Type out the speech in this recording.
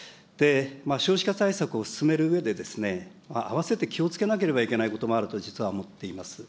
少子化対策を進めるうえで、あわせて気をつけなければいけないこともあると、実は思っています。